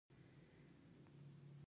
منډه د زړه زړورتیا ښيي